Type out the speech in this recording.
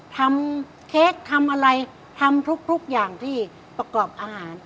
เค้กทำอะไรทำทุกอย่างที่ประกอบอาหาร